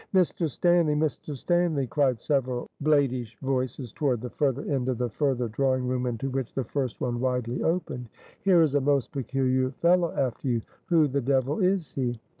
"Mr. Stanly! Mr. Stanly!" cried several bladish voices, toward the further end of the further drawing room, into which the first one widely opened, "Here is a most peculiar fellow after you; who the devil is he?"